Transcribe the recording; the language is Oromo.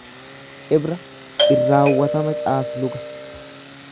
Cibra irraawwatama caasluga